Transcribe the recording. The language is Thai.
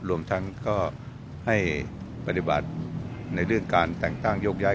รวมทั้งก็ให้ปฏิบัติในเรื่องการแต่งตั้งโยกย้าย